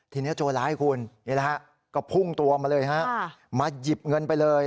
ทีนี้โจร้ายคุณนี่แหละฮะก็พุ่งตัวมาเลยฮะมาหยิบเงินไปเลย